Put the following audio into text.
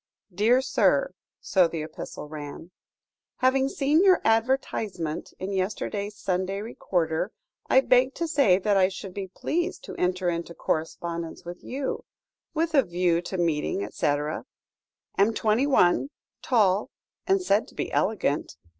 "DEAR SIR" (so the epistle ran), "Having seen your advertisement in yesterday's Sunday Recorder, I beg to say that I should be pleased to enter into correspondence with you with a view to meeting, etc. Am twenty one, tall, and said to be elegant.